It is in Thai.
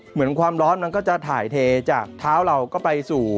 เหมือนความร้อนมันก็จะถ่ายเทจากเท้าเราก็ไปสู่